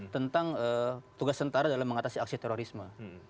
tentang tugas tentara dalam mengatasi aksi terorisme